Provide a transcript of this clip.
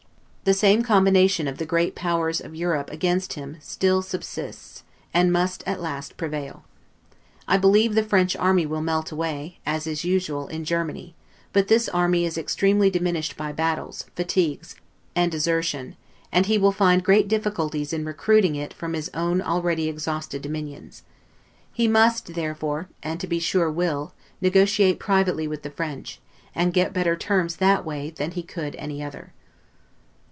The same combination of the great Powers of Europe against him still subsists, and must at last prevail. I believe the French army will melt away, as is usual, in Germany; but this army is extremely diminished by battles, fatigues, and desertion: and he will find great difficulties in recruiting it from his own already exhausted dominions. He must therefore, and to be sure will, negotiate privately with the French, and get better terms that way than he could any other.